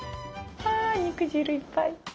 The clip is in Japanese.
あ肉汁いっぱい。